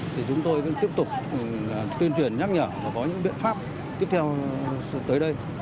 thì chúng tôi vẫn tiếp tục tuyên truyền nhắc nhở và có những biện pháp tiếp theo tới đây